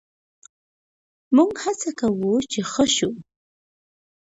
موږ هڅه کوو چې ښه شو.